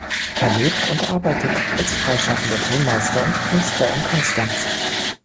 Er lebt und arbeitet als freischaffender Tonmeister und Künstler in Konstanz.